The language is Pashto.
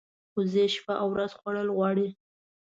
وزې شپه او ورځ خوړل غواړي